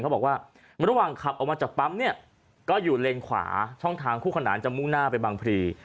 เขาบอกว่าระหว่างขับออกมาจากปั๊มเนี่ยก็อยู่เลนขวาช่องทางคู่ขนานจะมุ่งหน้าไปบางพรี